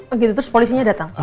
oh gitu terus polisinya datang